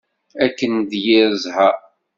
Akken d yir zzheṛ!